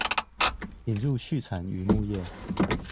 引入畜產漁牧業